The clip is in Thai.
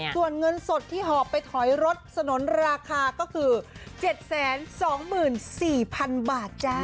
ส่วนเงินสดที่หอบไปถอยรถสนุนราคาก็คือ๗๒๔๐๐๐บาทจ้า